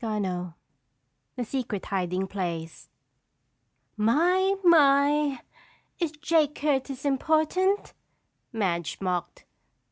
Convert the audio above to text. CHAPTER XI The Secret Hiding Place "My! My! Is Jake Curtis important?" Madge mocked.